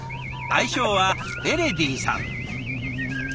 愛称はエレディさん。